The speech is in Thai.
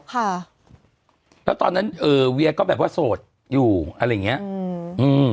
ค่ะแล้วตอนนั้นเอ่อเวียก็แบบว่าโสดอยู่อะไรอย่างเงี้ยอืมอืม